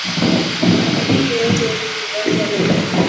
ana dalili yeyote ya uokongozi ananyakua